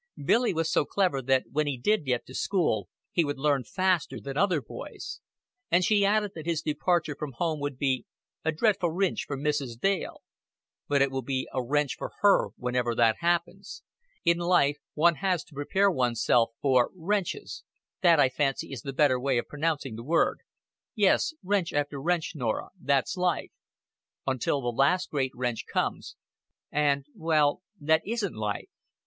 Billy was so clever that when he did get to school he would learn faster than other boys; and she added that his departure from home would be "a dreadful wrinch for Mrs. Dale." "But it will be a wrench for her whenever it happens. In life one has to prepare one's self for wrenches That, I fancy, is the better way of pronouncing the word. Yes, wrench after wrench, Norah that's life; until the last great wrench comes and, well, that isn't life....